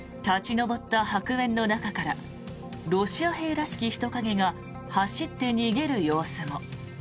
立ち上った白煙の中からロシア兵らしき人影が走って逃げる様子も。